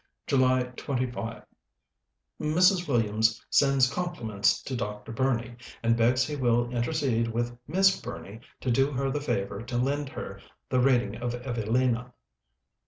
JULY 25. "Mrs. Williams sends compliments to Dr. Burney, and begs he will intercede with Miss Burney to do her the favor to lend her the reading of 'Evelina.'"